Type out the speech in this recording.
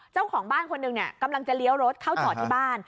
เจ้าของบ้านคนหนึ่งเนี่ยกำลังจะเลี้ยวรถเข้าจอดที่บ้าน